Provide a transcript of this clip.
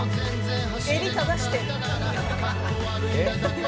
「襟正して」